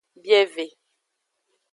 Bieve.